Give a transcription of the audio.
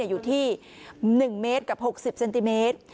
อยู่ที่๑เมตรกับ๖๐เซนติเมตร